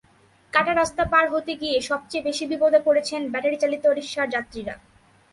কাটা রাস্তা পার হতে গিয়ে সবচেয়ে বেশি বিপদে পড়ছেন ব্যাটারিচালিত রিকশার যাত্রীরা।